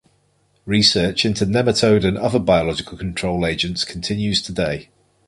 Research into nematode and other biological control agents continues today.